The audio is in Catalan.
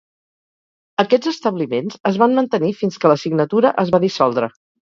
Aquests establiments es van mantenir fins que la signatura es va dissoldre.